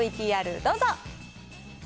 ＶＴＲどうぞ。